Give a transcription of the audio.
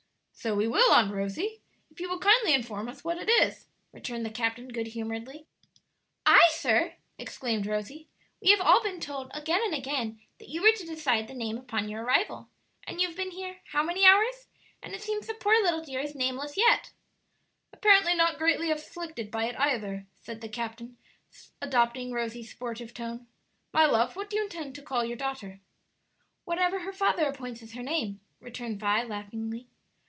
"So we will, Aunt Rosie, if you will kindly inform us what it is," returned the captain, good humoredly. "I, sir!" exclaimed Rosie; "we have all been told again and again that you were to decide upon the name on your arrival; and you've been here how many hours? and it seems the poor little dear is nameless yet." "Apparently not greatly afflicted by it either," said the captain, adopting Rosie's sportive tone. "My love, what do you intend to call your daughter?" "Whatever her father appoints as her name," returned Vi, laughingly.